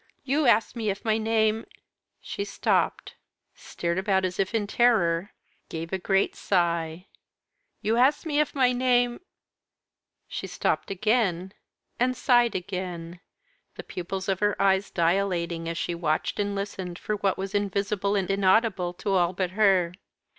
You asked me if my name" she stopped, stared about as if in terror, gave a great sigh, "You asked me if my name " She stopped again and sighed again, the pupils of her eyes dilating as she watched and listened for what was invisible and inaudible to all but her.